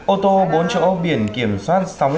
ô tô bốn chỗ biển kiểm soát